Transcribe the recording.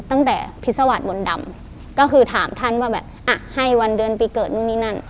ตั้งแต่พิษวาสมนต์ดำก็คือถามท่านว่าแบบอ่ะให้วันเดือนปีเกิดนู่นนี่นั่น